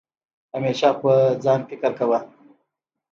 همېشه په ځان فکر کوه